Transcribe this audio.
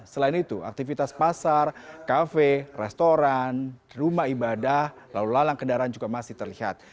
selain itu aktivitas pasar kafe restoran rumah ibadah lalu lalang kendaraan juga masih terlihat